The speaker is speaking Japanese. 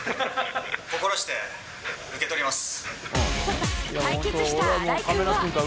心して受け取ります。